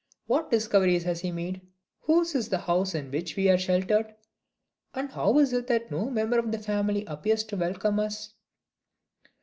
What discoveries has he made? whose is the house in which we are sheltered; and how is it that no member of the family appears to welcome us?